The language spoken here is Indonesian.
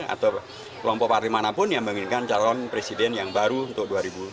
atau kelompok parti manapun yang memiliki calon presiden yang baru untuk dua ribu sembilan belas